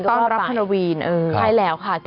ต้อนรับฮานาวีนใช่แล้วค่ะ